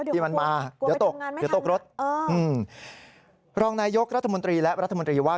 ที่มันมาเดี๋ยวตกรถอืมรองนายยกรัฐมนตรีและรัฐมนตรีว่า